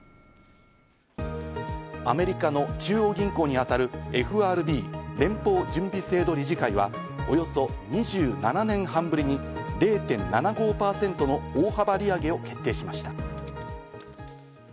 アメリカの中央銀行に当たるＦＲＢ＝連邦準備制度理事会は、およそ２７年半ぶりに０．７５％の大幅利上げを決定しました。